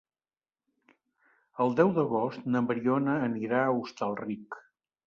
El deu d'agost na Mariona anirà a Hostalric.